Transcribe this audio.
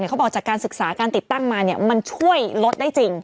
เขาบอกจากการศึกษาการติดตั้งมามันช่วยลดได้จริง